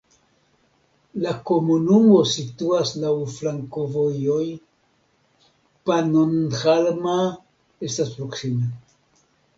La komunumo situas laŭ flankovojoj, Pannonhalma estas proksime.